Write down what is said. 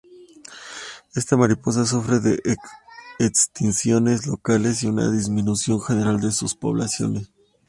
Esta mariposa sufre de extinciones locales y una disminución general de sus poblaciones.